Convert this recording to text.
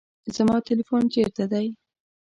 زما تلیفون چیرته دی؟